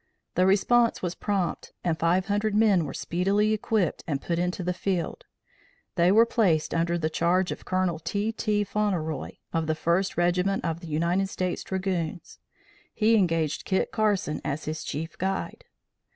The response was prompt, and five hundred men were speedily equipped and put into the field. They were placed under charge of Colonel T. T. Fauntleroy, of the First Regiment of United States Dragoons. He engaged Kit Carson as his chief guide.